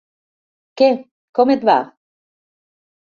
Què, com et va?